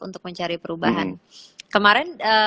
untuk mencari perubahan